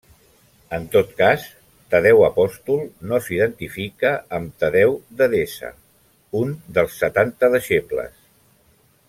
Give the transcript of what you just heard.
En tot cas, Tadeu apòstol no s'identifica amb Tadeu d'Edessa, un dels Setanta deixebles.